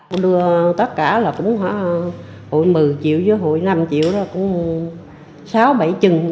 họ đưa tất cả là cũng hụi một mươi triệu hụi năm triệu hụi sáu bảy trừng